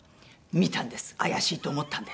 「見たんです怪しいと思ったんで」。